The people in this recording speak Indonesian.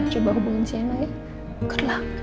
coba hubungin sienna ya